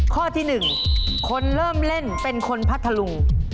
ข้อที่หนึ่งคนเริ่มเล่นเป็นคนพัฒน์ทะลุง